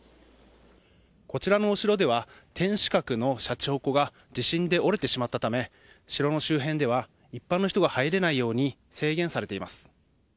こちらのお城では天守閣のしゃちほこが地震で折れてしまったため城の周辺では一般の人が入れないように制限されています。